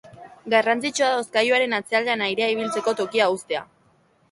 Garrantzitsua da hozkailuaren atzealdean airea ibiltzeko tokia uztea.